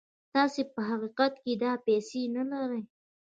تاسې په حقيقت کې دا پيسې نه لرئ.